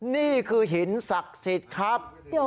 นี่คือหินศักดิ์สิทธิ์ครับ